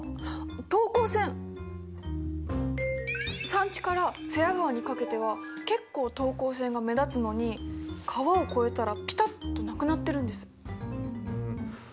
山地から津屋川にかけては結構等高線が目立つのに川を越えたらピタッとなくなってるんです。